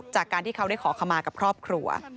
จากการที่เขาได้ขอขมากับครอบครัว